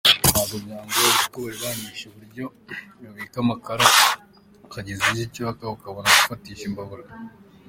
Ntabwo byangoye kuko bari banyigishije uburyo babika amakara akageza ejo acyaka ukabona gufatisha imbabura.